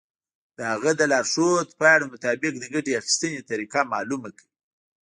د هغه د لارښود پاڼو مطابق د ګټې اخیستنې طریقه معلومه کړئ.